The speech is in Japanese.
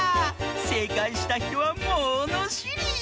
せいかいしたひとはものしり！